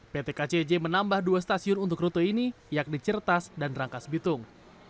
pt kcj menambah dua stasiun untuk rute ini yakni certas dan rangkas bitung